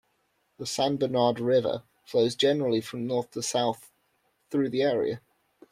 The San Bernard River flows generally from north to south through the area.